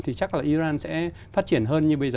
thì chắc là iran sẽ phát triển hơn như bây giờ